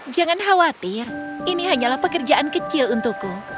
jangan khawatir ini hanyalah pekerjaan kecil untukku